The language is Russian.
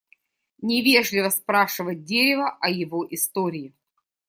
Невежливо спрашивать дерево о его истории.